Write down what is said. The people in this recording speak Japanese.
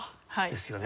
ですよね。